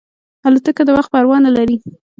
الوتکه د وخت پروا نه لري.